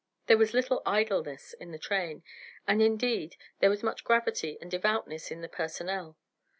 There was little idleness in the train, and indeed there was much gravity and devoutness in the personnel.